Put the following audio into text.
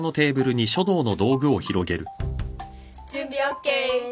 準備ＯＫ。